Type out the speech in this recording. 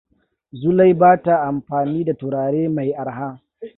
Zulai ba ta amfani da turare mai arha.